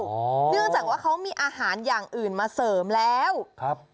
เนื่องจากว่าเขามีอาหารอย่างอื่นมาเสริมแล้วครับ